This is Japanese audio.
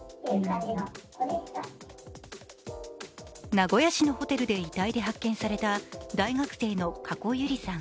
名古屋市のホテルで遺体で発見された大学生の加古結莉さん。